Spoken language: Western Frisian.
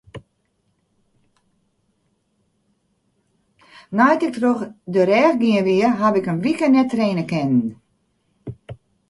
Nei't ik troch de rêch gien wie, haw ik in wike net traine kinnen.